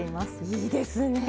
いいですね。